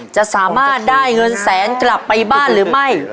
จะสามารถได้เงินแสนกลับไปบ้านหรือไม่